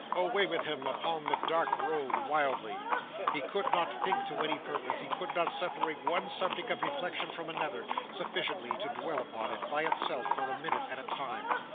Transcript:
Away with him upon the dark road wildly! He could not think to any purpose. He could not separate one subject of reflection from another, sufficiently to dwell upon it, by itself, for a minute at a time.